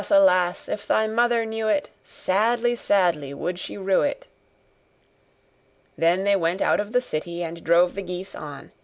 alas! if thy mother knew it, Sadly, sadly, would she rue it.' Then they went out of the city, and drove the geese on.